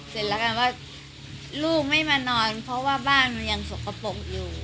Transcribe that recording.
เสร็จแล้วกันว่าลูกไม่มานอนเพราะว่าบ้านมันยังสกปรกอยู่